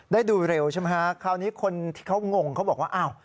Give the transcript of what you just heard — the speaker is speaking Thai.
ได้ดูเร็วใช่ไหมฮะคราวนี้คนที่เขางงเขาบอกว่าอ้าว